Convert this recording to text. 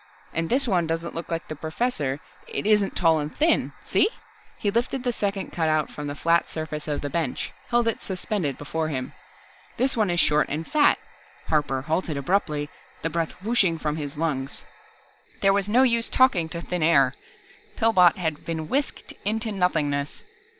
"And this one doesn't look like the Professor, isn't tall and thin. See ?" He lifted the second cutout from the flat surface of the bench, held it suspended before him. "This one is short and fat " Harper halted abruptly, the breath whooshing from his lungs. There was no use talking to thin air. Pillbot had been whisked into nothingness.